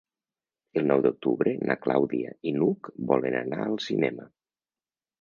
El nou d'octubre na Clàudia i n'Hug volen anar al cinema.